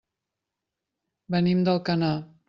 Venim d'Alcanar.